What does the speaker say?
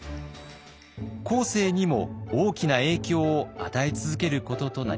後世にも大きな影響を与え続けることとなります。